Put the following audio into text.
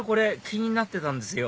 気になってたんですよ